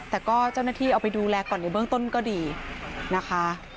แต่ก็เจ้าหน้าที่เอาไปดูแลก่อนในเบื้องต้นก็ดีนะคะ